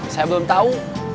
saya belum tau